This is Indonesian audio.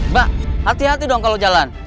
mbak hati hati dong kalau jalan